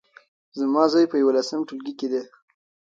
زما زوی په يولسم ټولګي کې دی